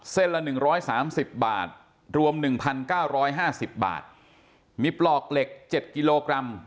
ละ๑๓๐บาทรวม๑๙๕๐บาทมีปลอกเหล็ก๗กิโลกรัม